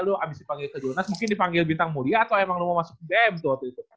lu abis dipanggil ke julnas mungkin dipanggil bintang mulia atau emang lo mau masuk dm tuh waktu itu